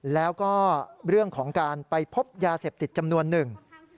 แล้วก็เรื่องของการไปพบยาเสพติดจำนวนหนึ่ง